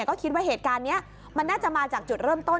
ก็คิดว่าเหตุการณ์นี้มันน่าจะมาจากจุดเริ่มต้น